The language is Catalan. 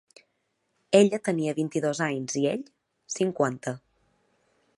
Ella tenia vint-i-dos anys i ell, cinquanta.